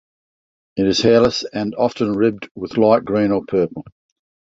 It is hairless and often ribbed with light green or purple.